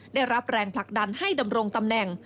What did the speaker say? ได้รับแรงผลักดันให้ดำรงตำแหน่ง